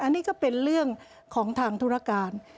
อันนี้ก็เป็นเรื่องของทางธุรการ